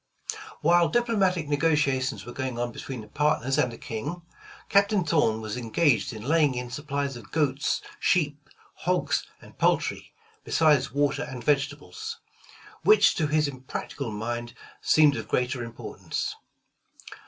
While diplomatic negotations were going on between the partners and the King, Captain Thorn was engaged in laying in supplies of goats, sheep, hogs and poultry, besides water and vegetables; which to his practical mind seemed of greater importance.